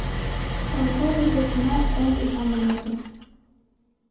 Каласал, рвезына, эн ӱшанле мутым.